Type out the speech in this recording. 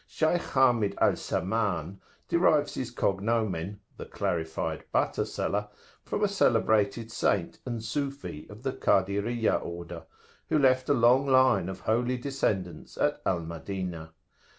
Shaykh Hamid al Samman derives his cognomen, the "Clarified Butter Seller," from a celebrated saint and Sufi of the Kadiriyah order, who left a long line of holy descendants at Al Madinah.